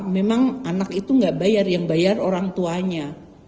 memang anak itu nggak bayar yang bayar orang tuanya